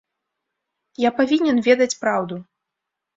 Я павінен ведаць праўду.